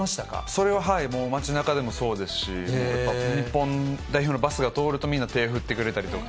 それは街なかでもそうですし、やっぱ日本代表のバスが通るたびに、手を振ってくれたりとか。